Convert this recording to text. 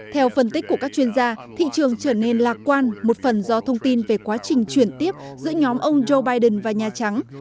theo phân tích của các chuyên gia thị trường trở nên lạc quan một phần do thông tin về quá trình chuyển tiếp giữa nhóm ông joe biden và nhà trắng